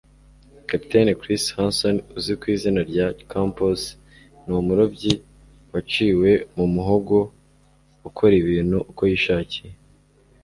Kapiteni Chris Hanson uzwi ku izina rya "Chomps," ni umurobyi waciwe mu muhogo ukora ibintu uko yishakiye.